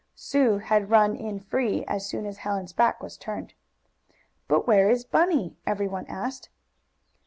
Sue had run "in free," as soon as Helen's back was turned. "But where is Bunny?" everyone asked.